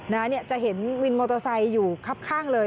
แล้วจะเห็นวินมอโตสไซค์อยู่ครับข้างเลย